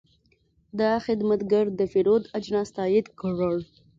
دا خدمتګر د پیرود اجناس تایید کړل.